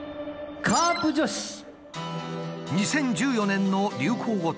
２０１４年の流行語大賞。